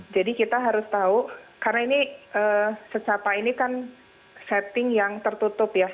jadi kita harus tahu karena ini secara ini kan setting yang tertutup ya